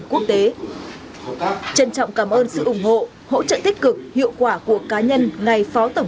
quốc tế trân trọng cảm ơn sự ủng hộ hỗ trợ tích cực hiệu quả của cá nhân ngài phó tổng